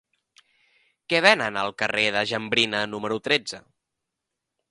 Què venen al carrer de Jambrina número tretze?